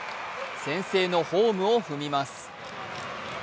先制のホームを踏みます。